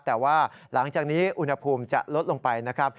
แต่ว่าหลังจากนี้อุณหภูมิจะลดลงไปนะครับ